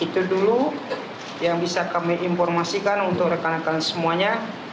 itu dulu yang bisa kami informasikan untuk rekan rekan semuanya